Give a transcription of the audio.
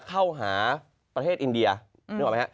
เข้าหาประเทศอินเดียนึกออกไหมฮะ